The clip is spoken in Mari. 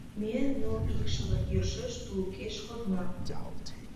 Ме, ныл икшыве, йӧршеш тулыкеш кодна.